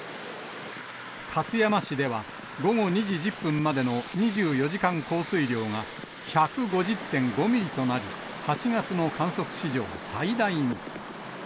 勝山市では、午後２時１０分までの２４時間降水量が、１５０．５ミリとなり、８月の観測史上最大に。